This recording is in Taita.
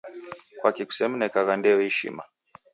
Kwaki kusemnekagha ndeyo ishima?